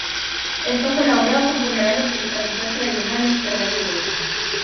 Esto colaboró con poner a los prestamistas tradicionales fuera de negocio.